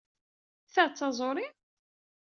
Ta d taẓuri?